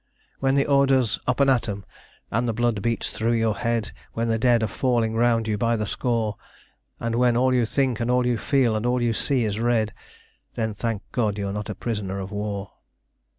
When the order's "Up and at 'em" and the blood beats through your head, When the dead are falling round you by the score, And when all you think and all you feel and all you see is red, Then thank God you're not a prisoner of war.